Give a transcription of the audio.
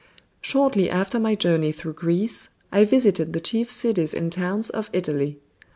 Shortly after my journey through Greece I visited the chief cities and towns of Italy.